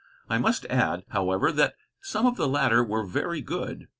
I must add, however, that some of the latter were very good.